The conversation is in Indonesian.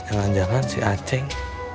jangan jangan si aceng